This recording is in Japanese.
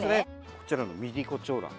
こちらのミディコチョウラン。